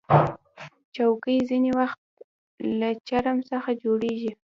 چوکۍ ځینې وخت له چرم څخه جوړیږي.